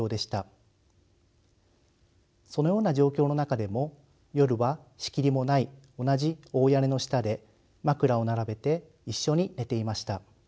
そのような状況の中でも夜は仕切りもない同じ大屋根の下で枕を並べて一緒に寝ていました。